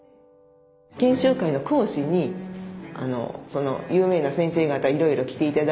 研修会の講師に有名な先生方いろいろ来て頂いて。